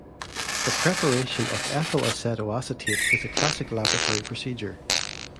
The preparation of ethyl acetoacetate is a classic laboratory procedure.